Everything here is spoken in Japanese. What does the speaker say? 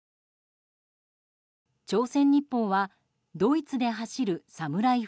朝鮮日報はドイツで走るサムライ